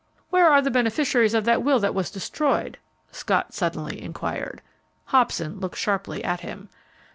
"Where are the beneficiaries of that will that was destroyed?" Scott suddenly inquired. Hobson looked sharply at him.